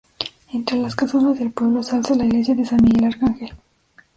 Entre las casonas del pueblo se alza la Iglesia de San Miguel Arcángel.